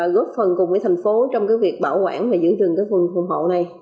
góp phần cùng với thành phố trong việc bảo quản và giữ rừng phòng hộ này